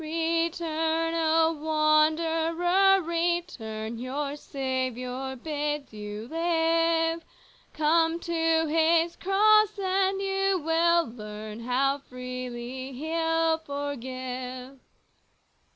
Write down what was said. " Return, O wanderer ! return ; Your Saviour bids you live ; Come to His Cross and you will learn How freely He'll forgive."